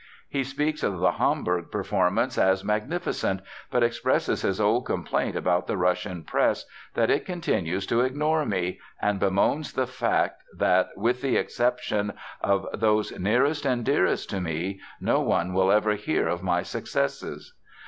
He speaks of the Hamburg performance as "magnificent," but expresses his old complaint about the Russian press, that it "continues to ignore me," and bemoans the fact that "with the exception of those nearest and dearest to me, no one will ever hear of my successes."